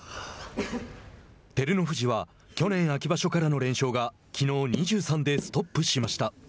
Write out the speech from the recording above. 照ノ富士は去年秋場所からの連勝がきのう２３でストップしました。